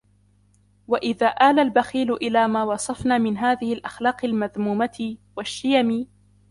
وَإِذَا آلَ الْبَخِيلُ إلَى مَا وَصَفْنَا مِنْ هَذِهِ الْأَخْلَاقِ الْمَذْمُومَةِ ، وَالشِّيَمِ